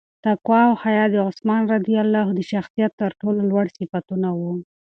تقوا او حیا د عثمان رض د شخصیت تر ټولو لوړ صفتونه وو.